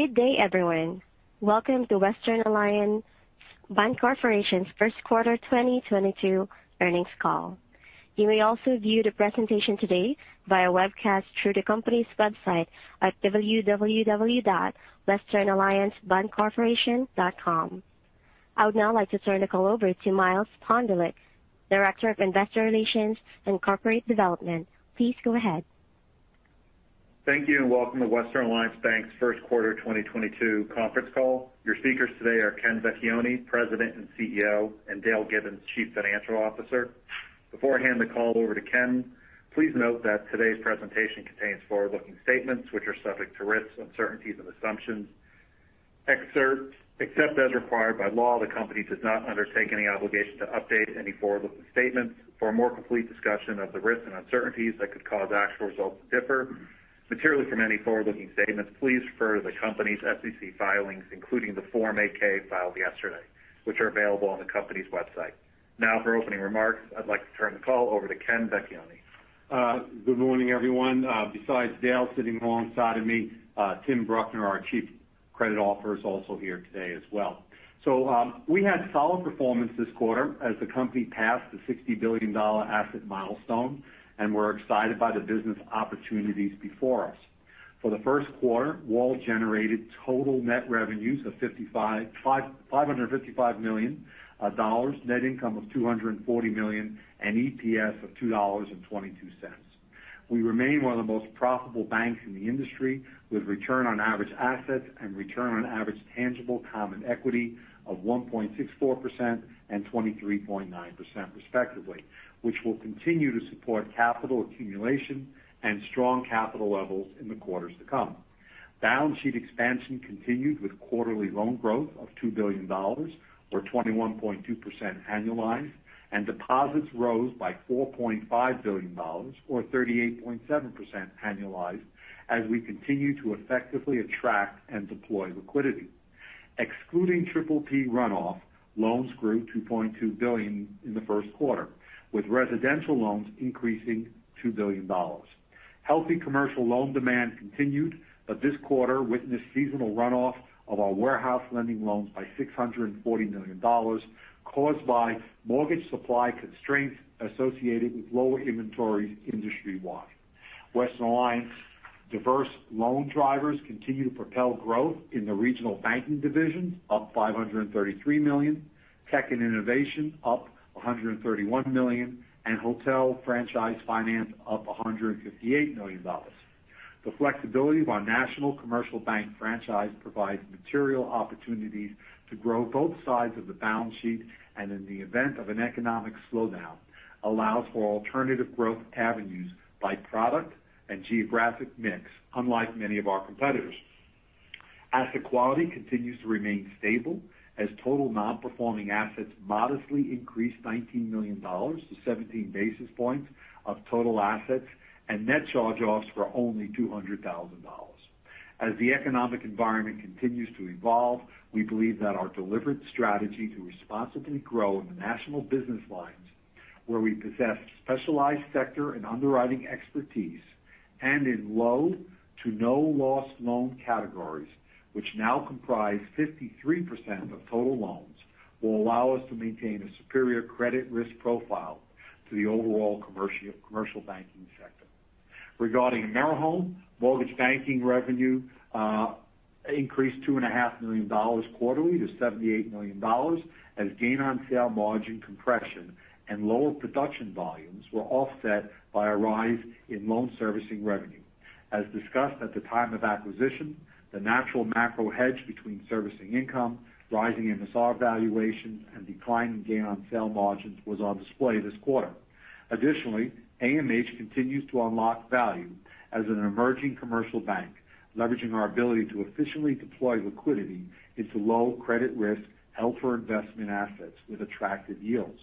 Good day, everyone. Welcome to Western Alliance Bancorporation's First Quarter 2022 Earnings Call. You may also view the presentation today via webcast through the company's website at www.westernalliancebancorporation.com. I would now like to turn the call over to Miles Pondelik, Director of Investor Relations and Corporate Development. Please go ahead. Thank you, and welcome to Western Alliance Bank's first quarter 2022 conference call. Your speakers today are Ken Vecchione, President and CEO, and Dale Gibbons, Chief Financial Officer. Before I hand the call over to Ken, please note that today's presentation contains forward-looking statements which are subject to risks, uncertainties, and assumptions. Except as required by law, the company does not undertake any obligation to update any forward-looking statements. For a more complete discussion of the risks and uncertainties that could cause actual results to differ materially from any forward-looking statements, please refer to the company's SEC filings, including the Form 8-K filed yesterday, which are available on the company's website. Now for opening remarks, I'd like to turn the call over to Ken Vecchione. Good morning, everyone. Besides Dale sitting alongside of me, Tim Bruckner, our Chief Credit Officer, is also here today as well. We had solid performance this quarter as the company passed the $60 billion asset milestone, and we're excited by the business opportunities before us. For the first quarter, WAL generated total net revenues of $555 million, net income of $240 million, and EPS of $2.22. We remain one of the most profitable banks in the industry, with return on average assets and return on average tangible common equity of 1.64% and 23.9% respectively, which will continue to support capital accumulation and strong capital levels in the quarters to come. Balance sheet expansion continued with quarterly loan growth of $2 billion or 21.2% annualized, and deposits rose by $4.5 billion or 38.7% annualized as we continue to effectively attract and deploy liquidity. Excluding PPP runoff, loans grew $2.2 billion in the first quarter, with residential loans increasing $2 billion. Healthy commercial loan demand continued, but this quarter witnessed seasonal runoff of our warehouse lending loans by $640 million caused by mortgage supply constraints associated with lower inventories industry-wide. Western Alliance diverse loan drivers continue to propel growth in the Regional Banking divisions, up $533 million, Technology & Innovation up $131 million, and Hotel Franchise Finance up $158 million. The flexibility of our national commercial bank franchise provides material opportunities to grow both sides of the balance sheet, and in the event of an economic slowdown, allows for alternative growth avenues by product and geographic mix, unlike many of our competitors. Asset quality continues to remain stable as total non-performing assets modestly increased $19 million to 17 basis points of total assets, and net charge-offs were only $200,000. As the economic environment continues to evolve, we believe that our deliberate strategy to responsibly grow in the national business lines where we possess specialized sector and underwriting expertise and in low to no loss loan categories, which now comprise 53% of total loans, will allow us to maintain a superior credit risk profile to the overall commercial banking sector. Regarding AmeriHome, mortgage banking revenue increased $2.5 million quarterly to $78 million as gain-on-sale margin compression and lower production volumes were offset by a rise in loan servicing revenue. As discussed at the time of acquisition, the natural macro hedge between servicing income, rising MSR valuations, and declining gain on sale margins was on display this quarter. Additionally, AMH continues to unlock value as an emerging commercial bank, leveraging our ability to efficiently deploy liquidity into low credit risk held-for-investment assets with attractive yields.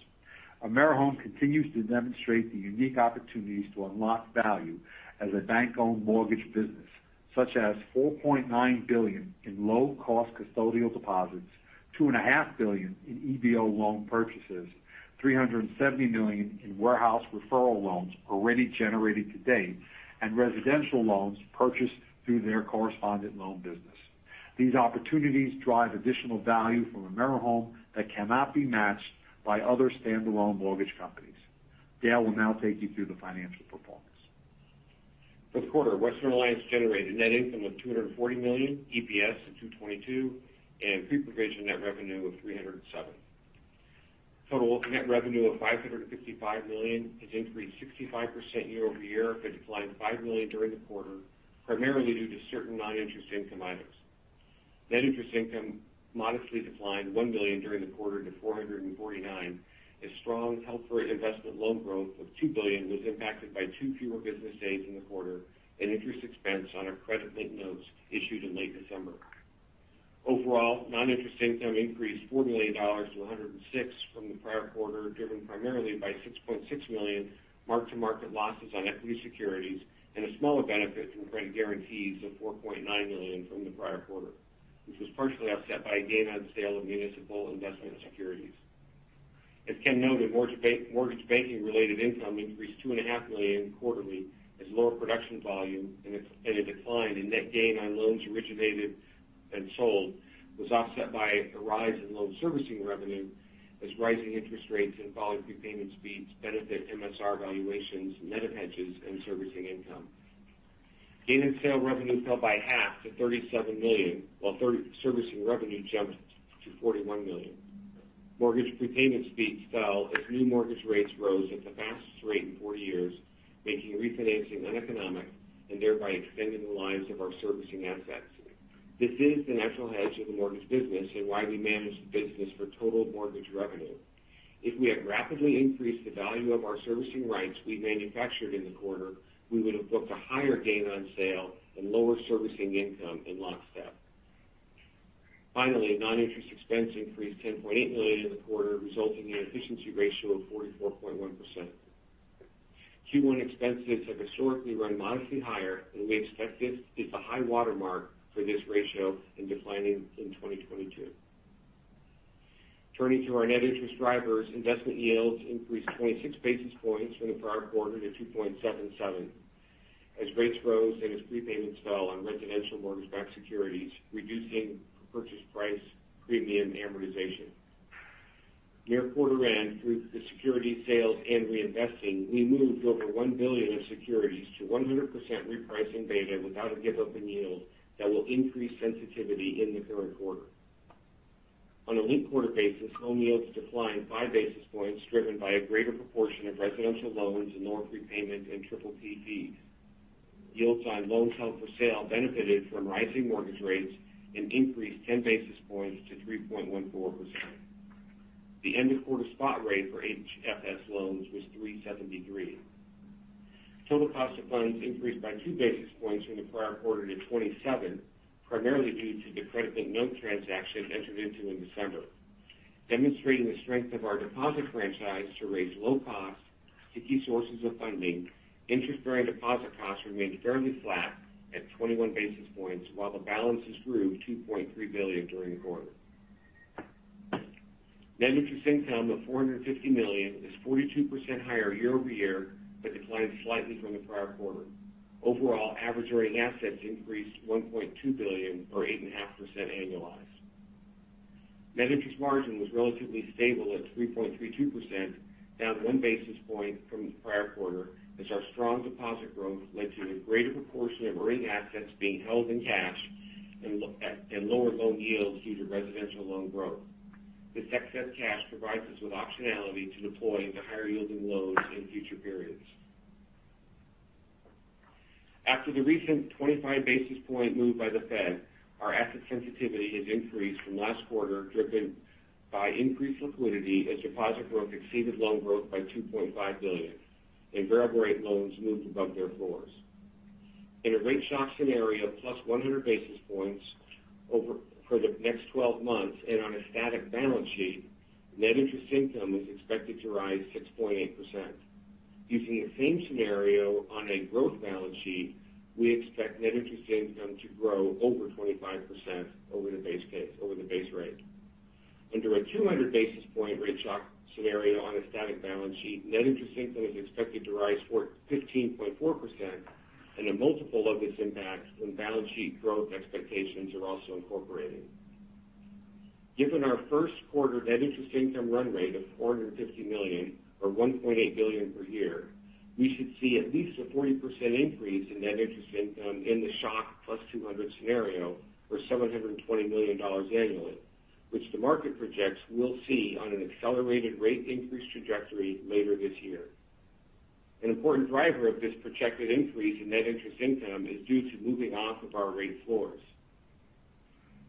AmeriHome continues to demonstrate the unique opportunities to unlock value as a bank-owned mortgage business, such as $4.9 billion in low-cost custodial deposits, $2.5 billion in EBO loan purchases, $370 million in warehouse referral loans already generated to date, and residential loans purchased through their correspondent loan business. These opportunities drive additional value from AmeriHome that cannot be matched by other standalone mortgage companies. Dale will now take you through the financial performance. For the quarter, Western Alliance generated net income of $240 million, EPS of 2.22, and pre-provision net revenue of $307 million. Total net revenue of $555 million has increased 65% year-over-year but declined $5 million during the quarter, primarily due to certain non-interest income items. Net interest income modestly declined $1 million during the quarter to $449 million, as strong held-for-investment loan growth of $2 billion was impacted by two fewer business days in the quarter and interest expense on our credit-linked notes issued in late December. Overall, non-interest income increased $40 million to $106 million from the prior quarter, driven primarily by $6.6 million mark-to-market losses on equity securities and a smaller benefit from credit guarantees of $4.9 million from the prior quarter, which was partially offset by a gain on the sale of municipal investment securities. As Ken noted, mortgage banking related income increased $2.5 million quarterly as lower production volume and a decline in net gain on loans originated and sold was offset by a rise in loan servicing revenue as rising interest rates and falling prepayment speeds benefit MSR valuations, net of hedges and servicing income. Gain on sale revenue fell by half to $37 million, while servicing revenue jumped to $41 million. Mortgage prepayment speeds fell as new mortgage rates rose at the fastest rate in four years, making refinancing uneconomic and thereby extending the lives of our servicing assets. This is the natural hedge of the mortgage business and why we manage the business for total mortgage revenue. If we had rapidly increased the value of our servicing rights we manufactured in the quarter, we would have booked a higher gain on sale and lower servicing income in lockstep. Finally, non-interest expense increased $10.8 million in the quarter, resulting in an efficiency ratio of 44.1%. Q1 expenses have historically run modestly higher, and we expect this is the high watermark for this ratio, declining in 2022. Turning to our net interest drivers, investment yields increased 26 basis points from the prior quarter to 2.77% as rates rose and as prepayments fell on residential mortgage-backed securities, reducing purchase price premium amortization. Near quarter end, through the security sales and reinvesting, we moved over $1 billion of securities to 100% repricing beta without a give up in yield that will increase sensitivity in the current quarter. On a linked quarter basis, loan yields declined five basis points, driven by a greater proportion of residential loans and lower prepayment and PPP fees. Yields on loans held for sale benefited from rising mortgage rates and increased 10 basis points to 3.14%. The end of quarter spot rate for HFS loans was 3.73. Total cost of funds increased by two basis points from the prior quarter to 27, primarily due to the credit-linked notes transaction entered into in December. Demonstrating the strength of our deposit franchise to raise low cost, sticky sources of funding, interest-bearing deposit costs remained fairly flat at 21 basis points while the balances grew $2.3 billion during the quarter. Net interest income of $450 million is 42% higher year-over-year, but declined slightly from the prior quarter. Overall, average earning assets increased $1.2 billion or 8.5% annualized. Net interest margin was relatively stable at 3.32%, down one basis point from the prior quarter as our strong deposit growth led to a greater proportion of earning assets being held in cash and lower loan yields due to residential loan growth. This excess cash provides us with optionality to deploy into higher yielding loans in future periods. After the recent 25 basis point move by the Fed, our asset sensitivity has increased from last quarter, driven by increased liquidity as deposit growth exceeded loan growth by $2.5 billion and variable rate loans moved above their floors. In a rate shock scenario +100 basis points for the next 12 months and on a static balance sheet, net interest income is expected to rise 6.8%. Using the same scenario on a growth balance sheet, we expect net interest income to grow over 25% over the base rate. Under a 200 basis point rate shock scenario on a static balance sheet, net interest income is expected to rise 4%-15.4% and a multiple of this impact when balance sheet growth expectations are also incorporated. Given our first quarter net interest income run rate of $450 million or $1.8 billion per year, we should see at least a 40% increase in net interest income in the shock +200 scenario or $720 million annually, which the market projects we'll see on an accelerated rate increase trajectory later this year. An important driver of this projected increase in net interest income is due to moving off of our rate floors.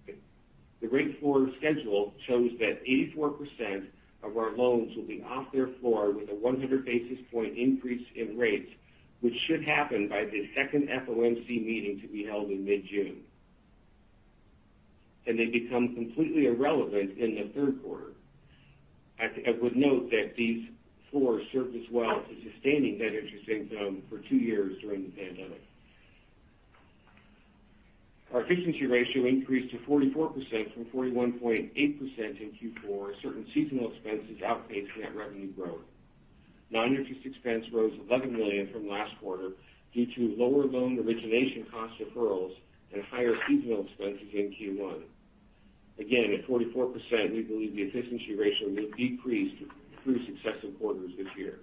The rate floor schedule shows that 84% of our loans will be off their floor with a 100 basis point increase in rates, which should happen by the second FOMC meeting to be held in mid-June. They become completely irrelevant in the third quarter. I would note that these floors served us well to sustaining net interest income for two years during the pandemic. Our efficiency ratio increased to 44% from 41.8% in Q4 as certain seasonal expenses outpaced net revenue growth. Non-interest expense rose $11 million from last quarter due to lower loan origination cost referrals and higher seasonal expenses in Q1. Again, at 44%, we believe the efficiency ratio will decrease through successive quarters this year.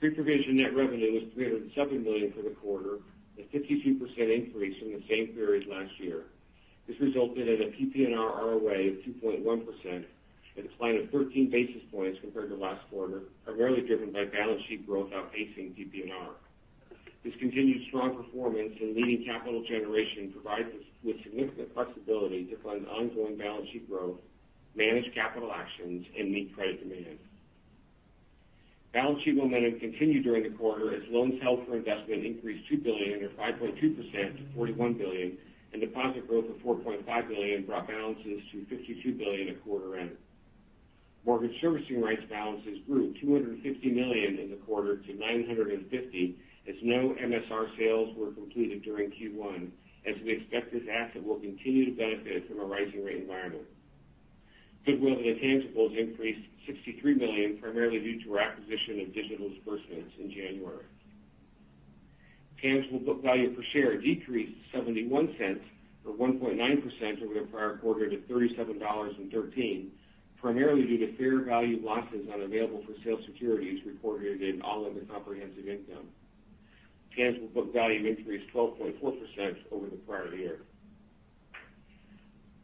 Pre-provision net revenue was $307 million for the quarter, a 52% increase from the same period last year. This resulted in a PPNR ROA of 2.1%, a decline of 13 basis points compared to last quarter, primarily driven by balance sheet growth outpacing PPNR. This continued strong performance and leading capital generation provides us with significant flexibility to fund ongoing balance sheet growth, manage capital actions and meet credit demand. Balance sheet momentum continued during the quarter as loans held for investment increased $2 billion or 5.2% to $41 billion, and deposit growth of $4.5 billion brought balances to $52 billion at quarter end. Mortgage servicing rights balances grew $250 million in the quarter to $950 million as no MSR sales were completed during Q1, as we expect this asset will continue to benefit from a rising rate environment. Goodwill and intangibles increased $63 million, primarily due to our acquisition of Digital Disbursements in January. Tangible book value per share decreased $0.71 or 1.9% over the prior quarter to $37.13, primarily due to fair value losses on available-for-sale securities reported in other comprehensive income. Tangible book value increased 12.4% over the prior year.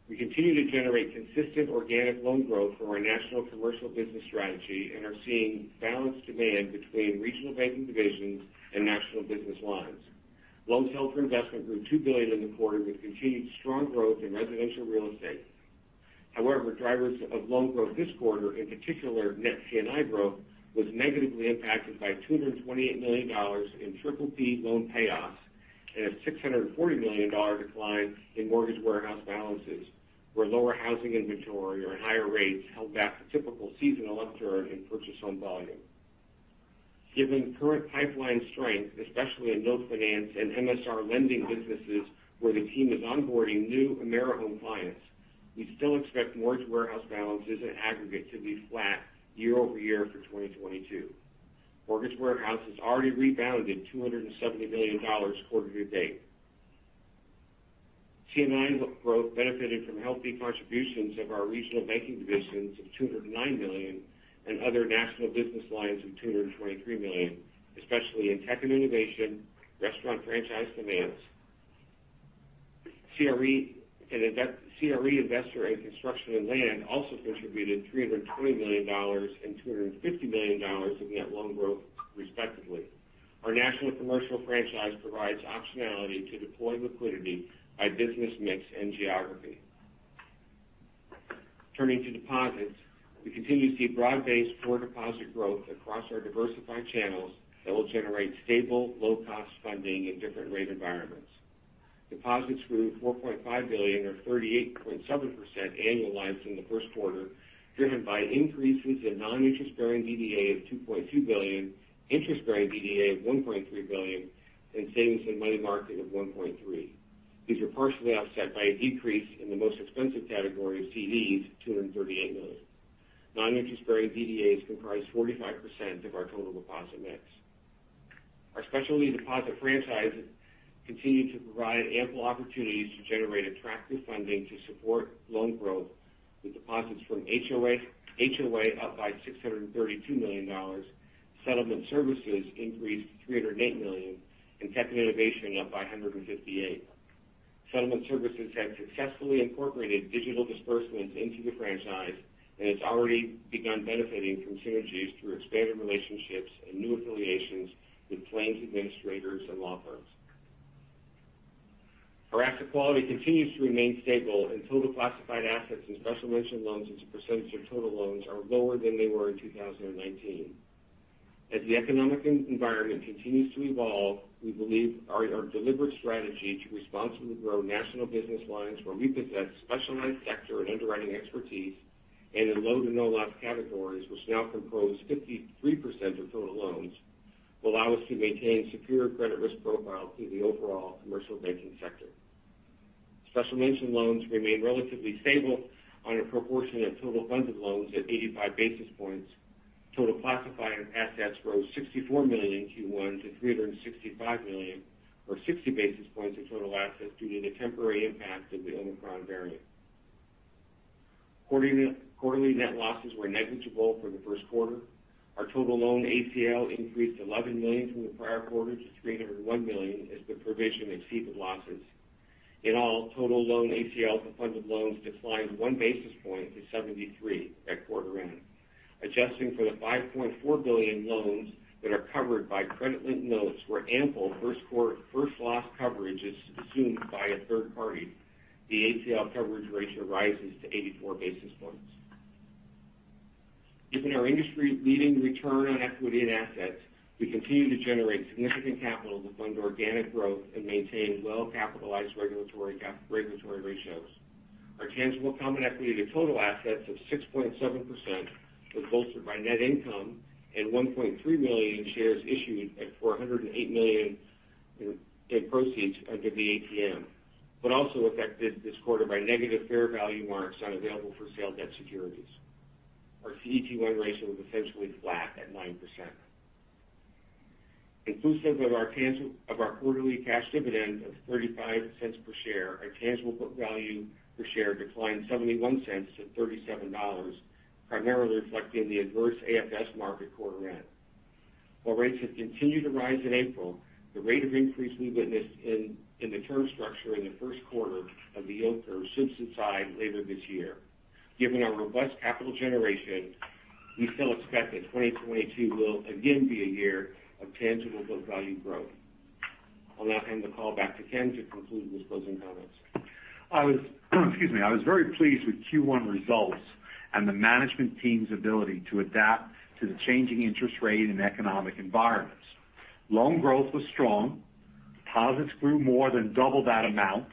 We continue to generate consistent organic loan growth from our national commercial business strategy and are seeing balanced demand between regional banking divisions and national business lines. Loans held for investment grew $2 billion in the quarter with continued strong growth in residential real estate. However, drivers of loan growth this quarter, in particular net C&I growth, was negatively impacted by $228 million in triple-P loan payoffs and a $640 million decline in mortgage warehouse balances, where lower housing inventory or higher rates held back the typical seasonal upturn in purchase home volume. Given current pipeline strength, especially in mill finance and MSR lending businesses where the team is onboarding new AmeriHome clients, we still expect mortgage warehouse balances in aggregate to be flat year-over-year for 2022. Mortgage warehouse has already rebounded $270 million quarter to date. C&I growth benefited from healthy contributions of our regional banking divisions of $209 million and other national business lines of $223 million, especially in tech and innovation, restaurant franchise demands. CRE investor and construction and land also contributed $320 million and $250 million in net loan growth respectively. Our national commercial franchise provides optionality to deploy liquidity by business mix and geography. Turning to deposits. We continue to see broad-based core deposit growth across our diversified channels that will generate stable low-cost funding in different rate environments. Deposits grew $4.5 billion or 38.7% annualized in the first quarter, driven by increases in non-interest-bearing DDA of $2.2 billion, interest-bearing DDA of $1.3 billion, and savings and money market of $1.3 billion. These are partially offset by a decrease in the most expensive category of CDs, $238 million. Non-interest-bearing DDAs comprise 45% of our total deposit mix. Our specialty deposit franchises continue to provide ample opportunities to generate attractive funding to support loan growth, with deposits from HOA up by $632 million. Settlement Services increased $308 million, and Technology & Innovation up by $158 million. Settlement Services have successfully incorporated Digital Disbursements into the franchise, and it's already begun benefiting from synergies through expanded relationships and new affiliations with claims administrators and law firms. Our asset quality continues to remain stable and total classified assets and special mention loans as a percentage of total loans are lower than they were in 2019. As the economic environment continues to evolve, we believe our deliberate strategy to responsibly grow national business lines where we possess specialized sector and underwriting expertise and in low to no loss categories, which now compose 53% of total loans, will allow us to maintain superior credit risk profile to the overall commercial banking sector. Special mention loans remain relatively stable on a proportion of total funded loans at 85 basis points. Total classified assets rose $64 million in Q1 to $365 million, or 60 basis points of total assets due to the temporary impact of the Omicron variant. Quarterly net losses were negligible for the first quarter. Our total loan ACL increased $11 million from the prior quarter to $301 million as the provision exceeded losses. In all, total loan ACL for funded loans declined one basis point to 73 at quarter end. Adjusting for the $5.4 billion loans that are covered by credit-linked notes, where ample first loss coverage is assumed by a third party, the ACL coverage ratio rises to 84 basis points. Given our industry-leading return on equity and assets, we continue to generate significant capital to fund organic growth and maintain well-capitalized regulatory ratios. Our tangible common equity to total assets of 6.7% was bolstered by net income and 1.3 million shares issued at $408 million in proceeds under the ATM but also affected this quarter by negative fair value marks on available for sale debt securities. Our CET1 ratio was essentially flat at 9%. Inclusive of our quarterly cash dividend of $0.35 per share, our tangible book value per share declined $0.71 to $37, primarily reflecting the adverse AFS market quarter end. While rates have continued to rise in April, the rate of increase we witnessed in the term structure in the first quarter of the yield curve should subside later this year. Given our robust capital generation, we still expect that 2022 will again be a year of tangible book value growth. I'll now hand the call back to Ken to conclude with closing comments. I was very pleased with Q1 results and the management team's ability to adapt to the changing interest rate and economic environments. Loan growth was strong. Deposits grew more than double that amount.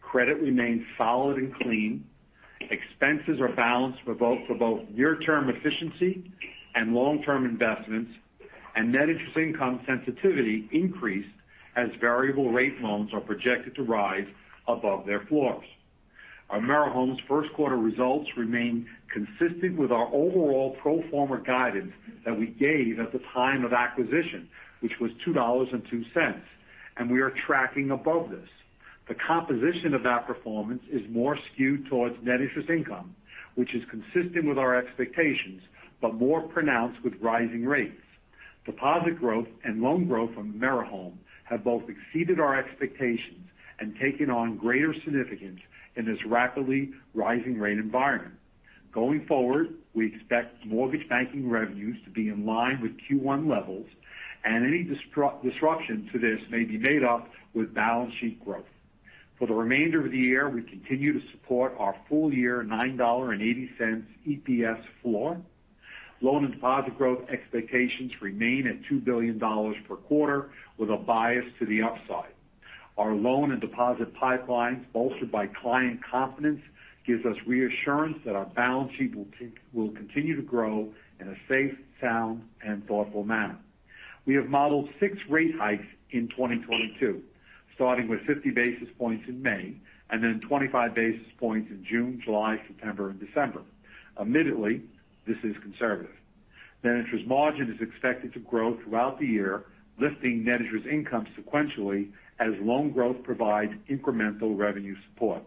Credit remained solid and clean. Expenses are balanced for both near-term efficiency and long-term investments. Net interest income sensitivity increased as variable rate loans are projected to rise above their floors. AmeriHome's first quarter results remain consistent with our overall pro forma guidance that we gave at the time of acquisition, which was $2.02, and we are tracking above this. The composition of our performance is more skewed towards net interest income, which is consistent with our expectations, but more pronounced with rising rates. Deposit growth and loan growth from AmeriHome have both exceeded our expectations and taken on greater significance in this rapidly rising rate environment. Going forward, we expect mortgage banking revenues to be in line with Q1 levels, and any disruption to this may be made up with balance sheet growth. For the remainder of the year, we continue to support our full year $9.80 EPS floor. Loan and deposit growth expectations remain at $2 billion per quarter with a bias to the upside. Our loan and deposit pipelines, bolstered by client confidence, gives us reassurance that our balance sheet will continue to grow in a safe, sound, and thoughtful manner. We have modeled six rate hikes in 2022, starting with 50 basis points in May and then 25 basis points in June, July, September and December. Admittedly, this is conservative. Net interest margin is expected to grow throughout the year, lifting net interest income sequentially as loan growth provides incremental revenue support.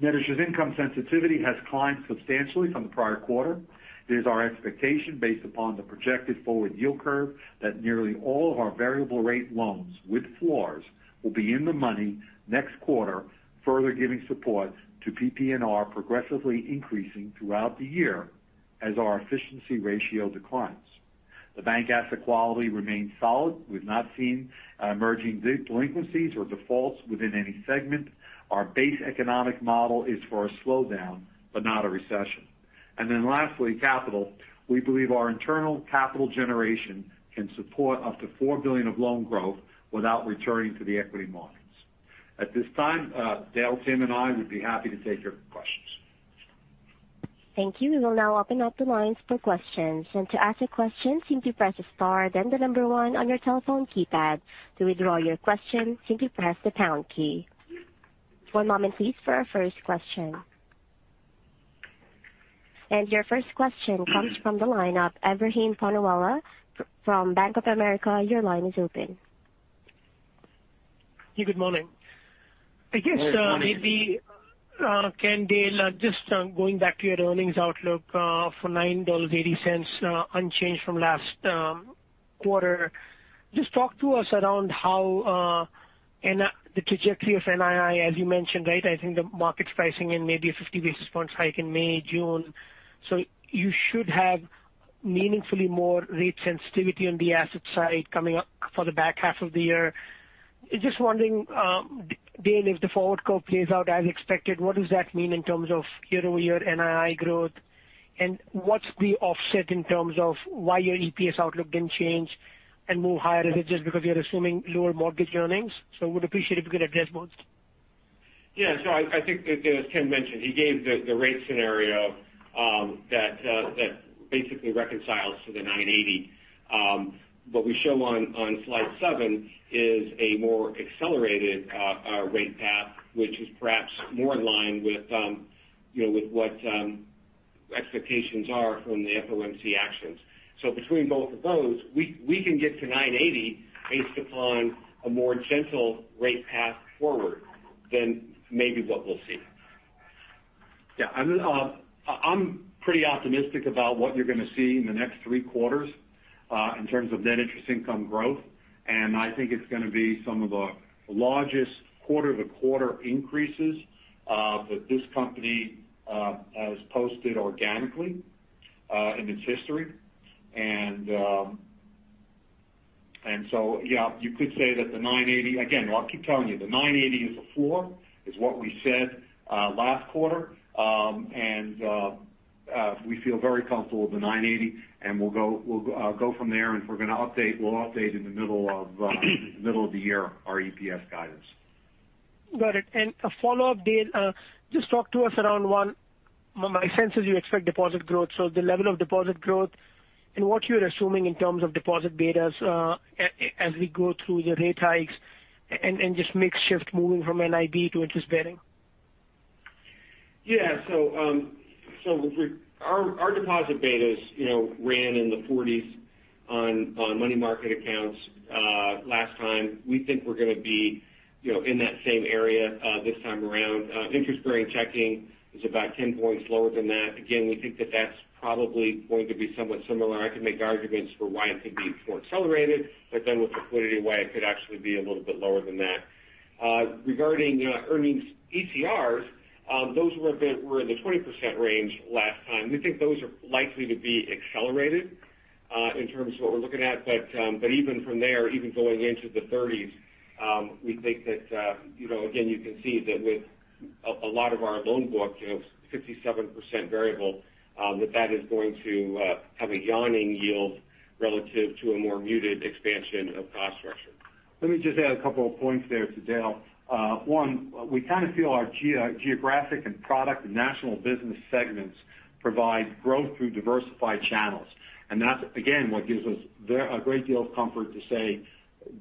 Net interest income sensitivity has climbed substantially from the prior quarter. It is our expectation based upon the projected forward yield curve that nearly all of our variable rate loans with floors will be in the money next quarter, further giving support to PPNR progressively increasing throughout the year as our efficiency ratio declines. The bank asset quality remains solid. We've not seen emerging delinquencies or defaults within any segment. Our base economic model is for a slowdown but not a recession. Lastly, capital. We believe our internal capital generation can support up to $4 billion of loan growth without returning to the equity markets. At this time, Dale, Tim and I would be happy to take your questions. Thank you. We will now open up the lines for questions. To ask a question, simply press star then the number one on your telephone keypad. Your first question comes from the line of Ebrahim Poonawala from Bank of America. Your line is open. Yeah, good morning. Good morning. I guess, maybe, Ken, Dale, just going back to your earnings outlook for $9.80, unchanged from last quarter. Just talk to us around how and the trajectory of NII, as you mentioned, right? I think the market's pricing in maybe a 50 basis point hike in May, June. You should have meaningfully more rate sensitivity on the asset side coming up for the back half of the year. Just wondering, Dale, if the forward curve plays out as expected, what does that mean in terms of year-over-year NII growth? And what's the offset in terms of why your EPS outlook didn't change and move higher? Is it just because you're assuming lower mortgage earnings? Would appreciate if you could address both. Yeah. I think as Tim mentioned, he gave the rate scenario that basically reconciles to the $980. What we show on slide seven is a more accelerated rate path, which is perhaps more in line with, you know, with what expectations are from the FOMC actions. Between both of those, we can get to $980 based upon a more gentle rate path forward than maybe what we'll see. Yeah. I'm pretty optimistic about what you're gonna see in the next three quarters in terms of net interest income growth. I think it's gonna be some of the largest quarter-to-quarter increases that this company has posted organically in its history. Yeah, you could say that the $980. Again, I'll keep telling you, the $9.80 is a floor, is what we said last quarter. We feel very comfortable with the $9.80 and we'll go from there. If we're gonna update, we'll update in the middle of the year our EPS guidance. Got it. A follow-up, Dale. Just talk to us about one, my sense is you expect deposit growth. The level of deposit growth and what you're assuming in terms of deposit betas, as we go through the rate hikes and just mix shift moving from NIB to interest bearing. Our deposit betas, you know, ran in the 40s on money market accounts last time. We think we're gonna be, you know, in that same area this time around. Interest-bearing checking is about 10 points lower than that. Again, we think that's probably going to be somewhat similar. I can make arguments for why it could be more accelerated, but then with liquidity why it could actually be a little bit lower than that. Regarding earnings ECRs, those were in the 20% range last time. We think those are likely to be accelerated in terms of what we're looking at. Even from there, even going into the thirties, we think that, you know, again, you can see that with a lot of our loan book, you know, 57% variable, that is going to have a widening yield relative to a more muted expansion of cost structure. Let me just add a couple of points there to Dale. One, we kind of feel our geographic and product and national business segments provide growth through diversified channels. That's again what gives us a great deal of comfort to say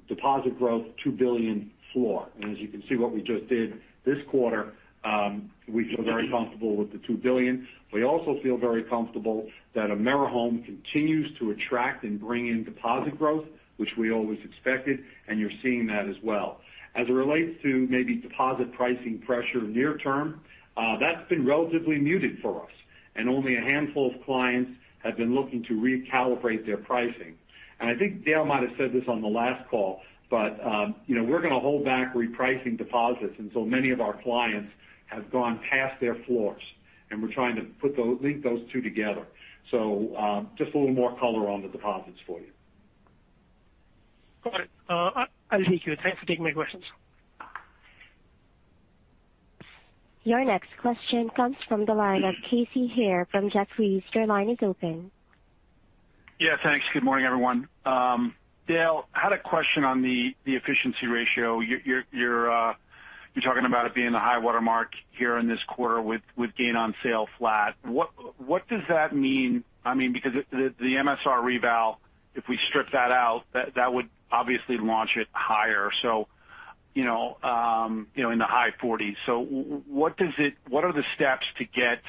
deposit growth $2 billion floor. As you can see what we just did this quarter, we feel very comfortable with the $2 billion. We also feel very comfortable that AmeriHome continues to attract and bring in deposit growth, which we always expected, and you're seeing that as well. As it relates to maybe deposit pricing pressure near term, that's been relatively muted for us, and only a handful of clients have been looking to recalibrate their pricing. I think Dale might have said this on the last call, but, you know, we're going to hold back repricing deposits until many of our clients have gone past their floors, and we're trying to link those two together. Just a little more color on the deposits for you. Got it. I'll take you. Thanks for taking my questions. Your next question comes from the line of Casey Haire from Jefferies. Your line is open. Yeah, thanks. Good morning, everyone. Dale, had a question on the efficiency ratio. You're talking about it being the high watermark here in this quarter with gain on sale flat. What does that mean? I mean, because the MSR reval, if we strip that out, that would obviously launch it higher. So, you know, you know, in the high 40s%. So what are the steps to get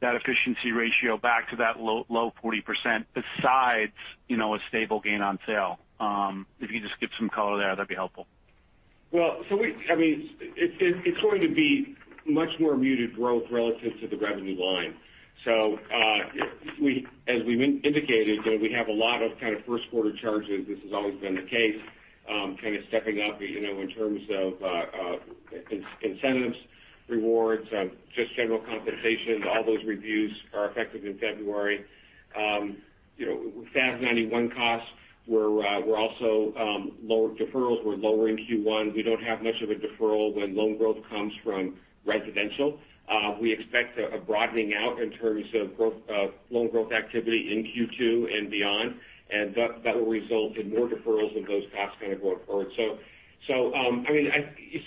that efficiency ratio back to that low 40% besides, you know, a stable gain on sale? If you just give some color there, that'd be helpful. Well, I mean, it's going to be much more muted growth relative to the revenue line. As we've indicated that we have a lot of kind of first quarter charges, this has always been the case, kind of stepping up, you know, in terms of incentives, rewards, just general compensation. All those reviews are effective in February. You know, FAS 91 costs were also lower deferrals were lower in Q1. We don't have much of a deferral when loan growth comes from residential. We expect a broadening out in terms of growth, loan growth activity in Q2 and beyond, and that will result in more deferrals of those costs kind of going forward. I mean,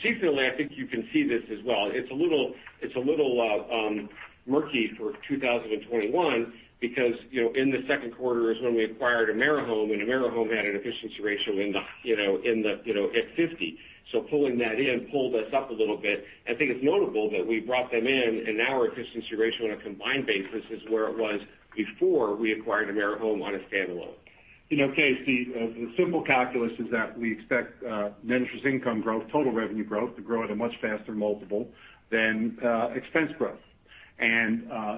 seasonally, I think you can see this as well. It's a little murky for 2021 because, you know, in the second quarter is when we acquired AmeriHome, and AmeriHome had an efficiency ratio at 50%. So pulling that in pulled us up a little bit. I think it's notable that we brought them in and now our efficiency ratio on a combined basis is where it was before we acquired AmeriHome on a standalone. You know, Casey, the simple calculus is that we expect net interest income growth, total revenue growth to grow at a much faster multiple than expense growth.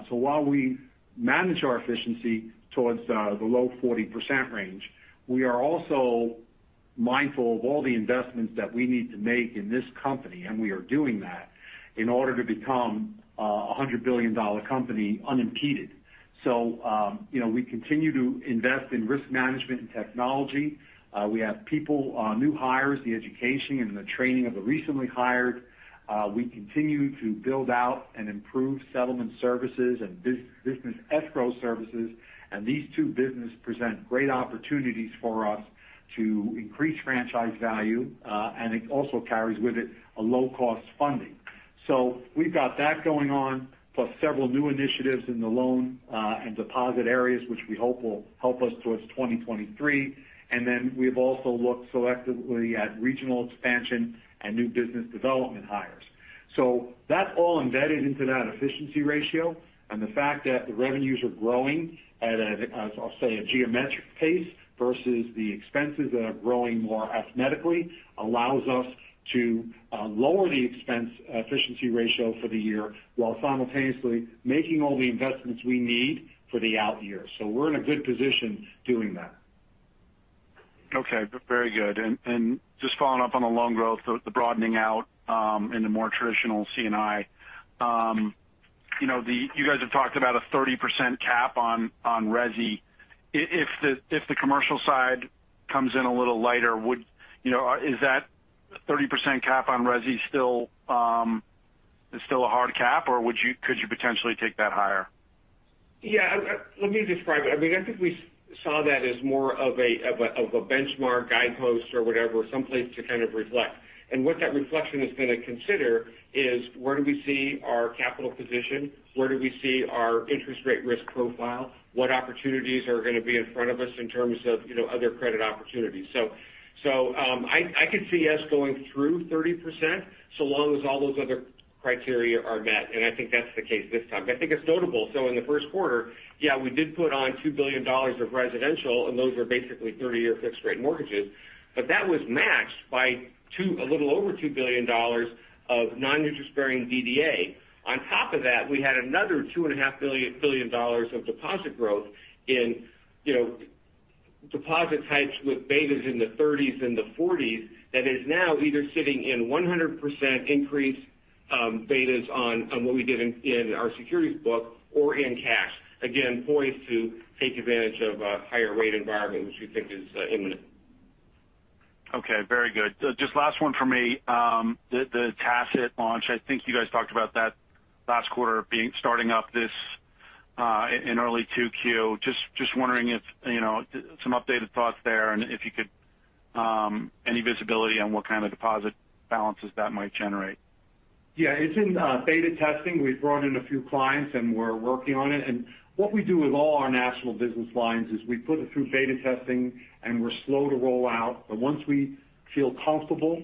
While we manage our efficiency towards the low 40% range, we are also mindful of all the investments that we need to make in this company, and we are doing that in order to become a $100 billion company unimpeded. You know, we continue to invest in risk management and technology. We have people, new hires, the education and the training of the recently hired. We continue to build out and improve Settlement Services and business escrow services. These two-business present great opportunities for us to increase franchise value, and it also carries with it a low-cost funding. We've got that going on, plus several new initiatives in the loan, and deposit areas, which we hope will help us towards 2023. Then we've also looked selectively at regional expansion and new business development hires. That's all embedded into that efficiency ratio. The fact that the revenues are growing at a, as I'll say, a geometric pace versus the expenses that are growing more arithmetically allows us to lower the expense efficiency ratio for the year while simultaneously making all the investments we need for the out years. We're in a good position doing that. Okay. Very good. Just following up on the loan growth, the broadening out in the more traditional C&I. You know, you guys have talked about a 30% cap on resi. If the commercial side comes in a little lighter, you know, is that 30% cap on resi still a hard cap, or could you potentially take that higher? Yeah. Let me describe it. I mean, I think we saw that as more of a benchmark guidepost or whatever, some place to kind of reflect. What that reflection is going to consider is where do we see our capital position? Where do we see our interest rate risk profile? What opportunities are going to be in front of us in terms of, you know, other credit opportunities? I could see us going through 30% so long as all those other criteria are met. I think that's the case this time. I think it's notable. In the first quarter, yeah, we did put on $2 billion of residential, and those were basically 30-year fixed rate mortgages. But that was matched by a little over $2 billion of non-interest-bearing DDA. On top of that, we had another $2.5 billion of deposit growth in, you know, deposit types with betas in the 30s and the 40s that is now either sitting in 100% increased betas on what we did in our securities book or in cash. Again, poised to take advantage of a higher rate environment, which we think is imminent. Okay. Very good. Just last one for me. The Tassat launch, I think you guys talked about that last quarter starting up this in early 2Q. Just wondering if, you know, some updated thoughts there and if you could any visibility on what kind of deposit balances that might generate. Yeah. It's in beta testing. We've brought in a few clients, and we're working on it. What we do with all our national business lines is we put it through beta testing, and we're slow to roll out. Once we feel comfortable,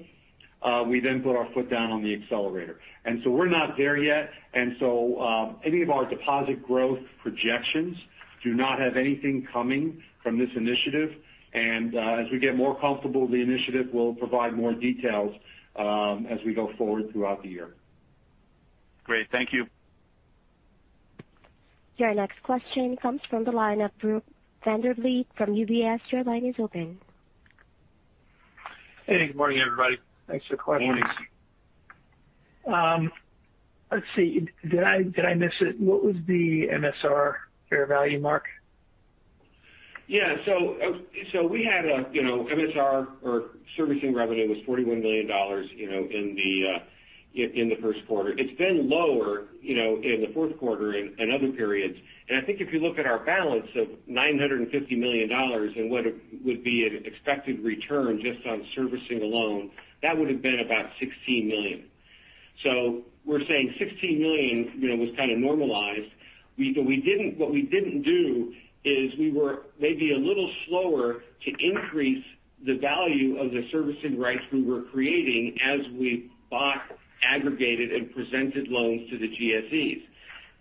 we then put our foot down on the accelerator. We're not there yet. Any of our deposit growth projections do not have anything coming from this initiative. As we get more comfortable with the initiative, we'll provide more details, as we go forward throughout the year. Great. Thank you. Your next question comes from the line of Brock Vandervliet from UBS. Your line is open. Hey, Good morning, everybody. Thanks for the question. Good morning. Let's see. Did I miss it? What was the MSR fair value mark? Yeah. We had, you know, MSR or servicing revenue was $41 million, you know, in the first quarter. It's been lower, you know, in the fourth quarter and other periods. I think if you look at our balance of $950 million and what it would be an expected return just on servicing a loan, that would've been about $16 million. We're saying $16 million, you know, was kind of normalized. But what we didn't do is we were maybe a little slower to increase the value of the servicing rights we were creating as we bought, aggregated, and presented loans to the GSEs.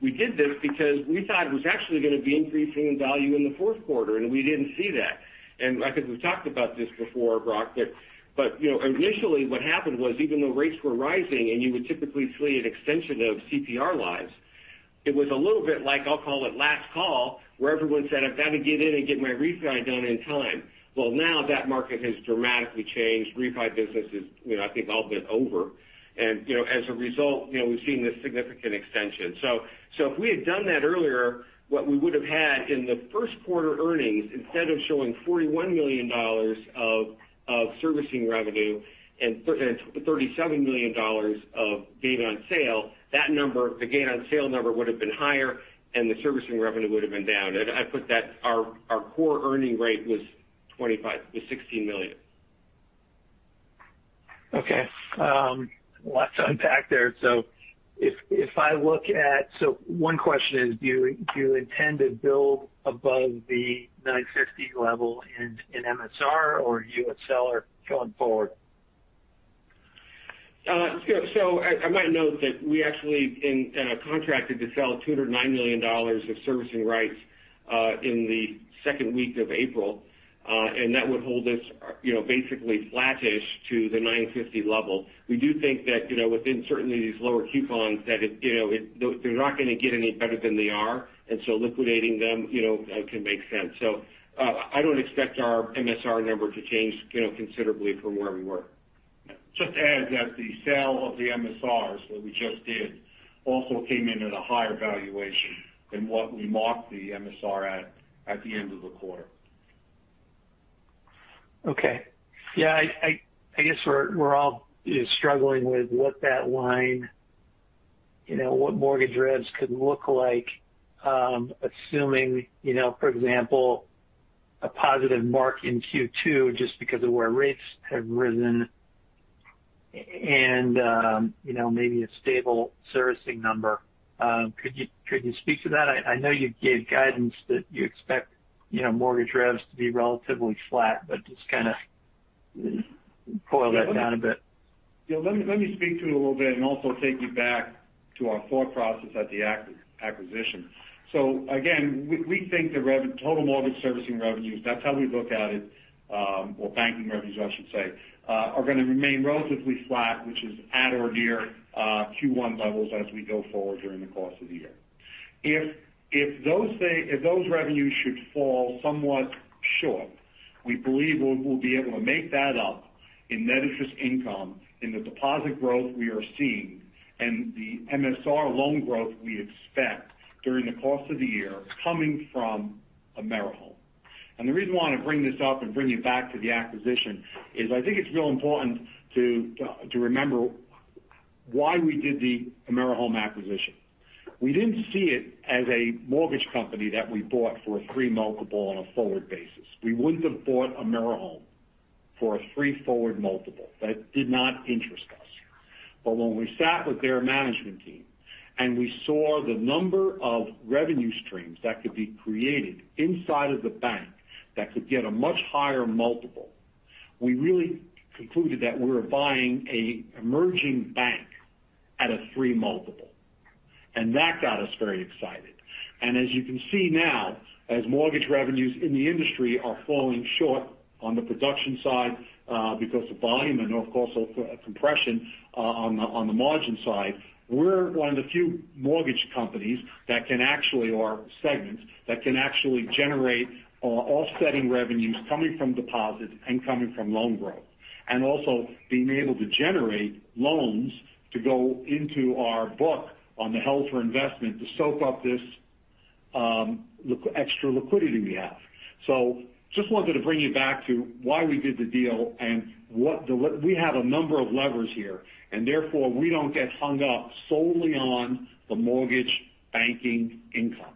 We did this because we thought it was actually gonna be increasing in value in the fourth quarter, and we didn't see that. I think we've talked about this before, Brock. But you know, initially, what happened was even though rates were rising and you would typically see an extension of CPR lives, it was a little bit like, I'll call it last call, where everyone said, "I've got to get in and get my refi done in time." Well, now that market has dramatically changed. Refi business is, you know, I think all but over. You know, as a result, you know, we've seen this significant extension. If we had done that earlier, what we would have had in the first quarter earnings, instead of showing $41 million of servicing revenue and $37 million of gain on sale, that number, the gain on sale number, would've been higher, and the servicing revenue would've been down. I'd put that our core earning rate was $16 million. Okay. Lots to unpack there. One question is, do you intend to build above the $950 level in MSR, or you would sell going forward? I might note that we actually have contracted to sell $209 million of servicing rights in the second week of April. That would hold us, you know, basically flattish to the $950 level. We do think that, you know, within certainly these lower coupons though they're not gonna get any better than they are, and so liquidating them, you know, can make sense. I don't expect our MSR number to change, you know, considerably from where we were. Just to add that the sale of the MSRs that we just did also came in at a higher valuation than what we marked the MSR at the end of the quarter. Okay. Yeah. I guess we're all struggling with what that line, you know, what mortgage revs could look like, assuming, you know, for example, a positive mark in Q2 just because of where rates have risen and, you know, maybe a stable servicing number. Could you speak to that? I know you gave guidance that you expect, you know, mortgage revs to be relatively flat, but just kinda boil that down a bit. Yeah. Let me speak to it a little bit and also take you back to our thought process at the acquisition. Again, we think the total mortgage servicing revenues, that's how we look at it, or banking revenues, I should say, are gonna remain relatively flat, which is at or near Q1 levels as we go forward during the course of the year. If those revenues should fall somewhat short, we believe we'll be able to make that up in net interest income in the deposit growth we are seeing and the MSR loan growth we expect during the course of the year coming from AmeriHome. The reason why I want to bring this up and bring you back to the acquisition is I think it's real important to remember why we did the AmeriHome acquisition. We didn't see it as a mortgage company that we bought for a three multiple on a forward basis. We wouldn't have bought AmeriHome for a three forward multiple. That did not interest us. When we sat with their management team and we saw the number of revenue streams that could be created inside of the bank that could get a much higher multiple, we really concluded that we were buying an emerging bank at a three multiple. That got us very excited. As you can see now, as mortgage revenues in the industry are falling short on the production side, because of volume and of course, compression, on the margin side, we're one of the few mortgage segments that can actually generate offsetting revenues coming from deposits and coming from loan growth, also being able to generate loans to go into our book on the held for investment to soak up this. Look at extra liquidity we have. Just wanted to bring you back to why we did the deal. We have a number of levers here, and therefore we don't get hung up solely on the mortgage banking income.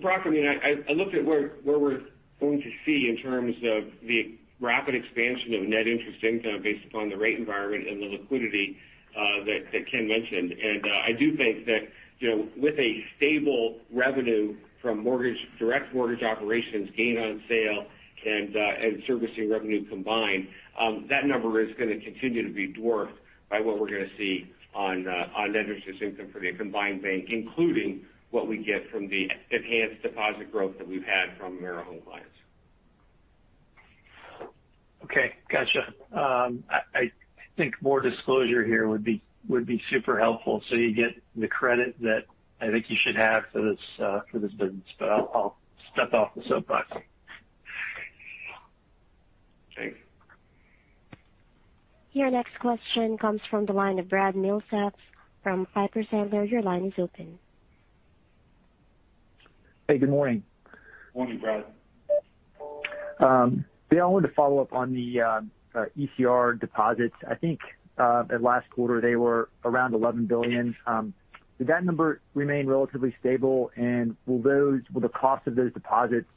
Brock, I mean, I looked at where we're going to see in terms of the rapid expansion of net interest income based upon the rate environment and the liquidity that Ken mentioned. I do think that, you know, with a stable revenue from mortgage direct mortgage operations gain on sale and servicing revenue combined, that number is gonna continue to be dwarfed by what we're gonna see on net interest income for the combined bank, including what we get from the enhanced deposit growth that we've had from AmeriHome clients. Okay. Gotcha. I think more disclosure here would be super helpful so you get the credit that I think you should have for this business. I'll step off the soapbox. Thanks. Your next question comes from the line of Brad Milsaps from Piper Sandler. Your line is open. Hey, good morning. Morning, Brad. I wanted to follow up on the ECR deposits. I think last quarter, they were around $11 billion. Did that number remain relatively stable? Will the cost of those deposits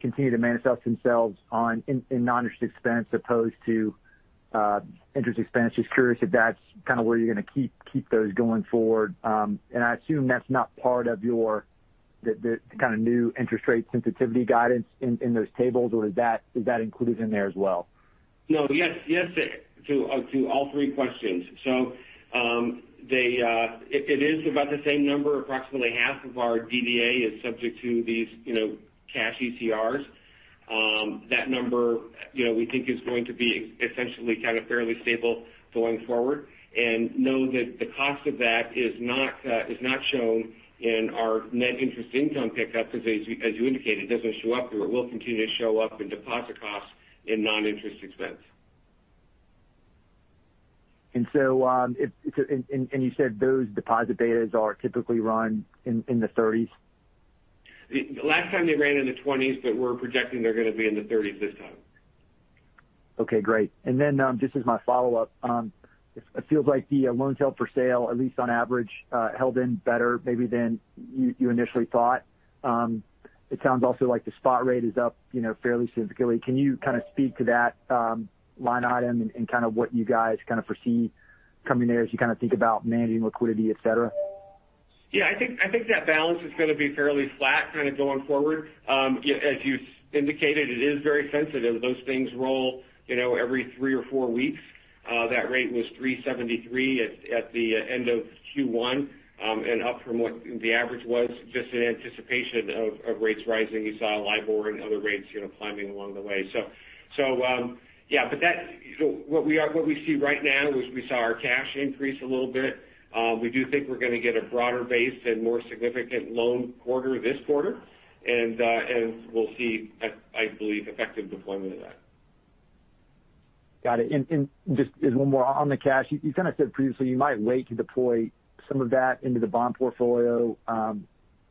continue to manifest themselves in noninterest expense as opposed to interest expense? Just curious if that's kind of where you're going to keep those going forward. I assume that's not part of the kind of new interest rate sensitivity guidance in those tables, or is that included in there as well? Yes, yes to all three questions. It is about the same number. Approximately half of our DDA is subject to these, you know, cash ECRs. That number, you know, we think is going to be essentially kind of fairly stable going forward. Know that the cost of that is not shown in our net interest income pickup as you indicated. It doesn't show up there. It will continue to show up in deposit costs in non-interest expense. You said those deposit betas are typically run in the 30s? Last time they ran in the 20s, but we're projecting they're going to be in the 30s this time. Okay, great. Just as my follow-up. It feels like the loans held for sale, at least on average, held in better maybe than you initially thought. It sounds also like the spot rate is up, you know, fairly significantly. Can you kind of speak to that line item and kind of what you guys' kind of foresee coming there as you kind of think about managing liquidity, et cetera? Yeah. I think that balance is going to be fairly flat kind of going forward. As you indicated, it is very sensitive. Those things roll, you know, every three or four weeks. That rate was 3.73 at the end of Q1, and up from what the average was just in anticipation of rates rising. You saw LIBOR and other rates, you know, climbing along the way. What we see right now is we saw our cash increase a little bit. We do think we're going to get a broader base and more significant loan quarter this quarter. We'll see, I believe, effective deployment of that. Got it. Just one more on the cash. You kind of said previously you might wait to deploy some of that into the bond portfolio,